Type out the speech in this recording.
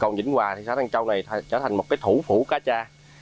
còn vĩnh hòa xã tăng châu này sẽ trở thành một thủ phủ cá tra